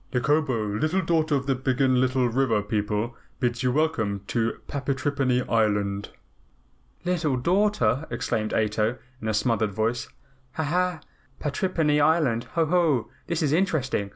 "Nikobo, Little Daughter of the Biggenlittle River People, bids you welcome to Patrippany Island." "Little daughter!" exclaimed Ato in a smothered voice. "Ha, ha! Patrippany Island. Ho, ho! This is interesting.